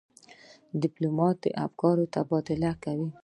ډيپلومات د افکارو تبادله کوي.